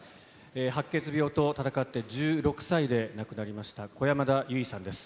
白血病と闘って１６歳で亡くなりました、小山田優生さんです。